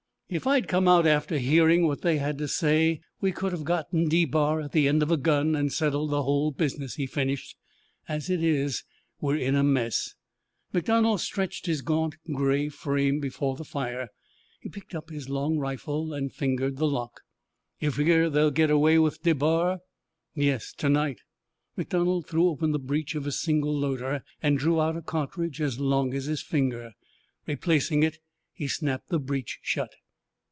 "If I'd come out after hearing what they had to say, we could have got DeBar at the end of a gun and settled the whole business," he finished. "As it is, we're in a mess." MacDonald stretched his gaunt gray frame before the fire. He picked up his long rifle, and fingered the lock. "You figger they'll get away with DeBar?" "Yes, to night." MacDonald threw open the breech of his single loader and drew out a cartridge as long as his finger. Replacing it, he snapped the breech shut.